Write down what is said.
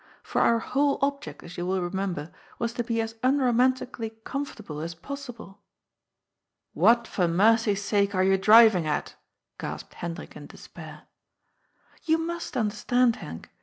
For our whole object, as you will remember, was to be as unromantically comfortable as possible." "What, for mercy's sake, are you driving at?" gasped Hendrik in despair. " You must understand, Henk.